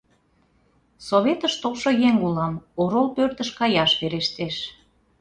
— Советыш толшо еҥ улам: орол пӧртыш каяш верештеш.